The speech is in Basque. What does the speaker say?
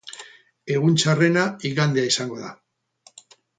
Egun txarrena igandea izango da.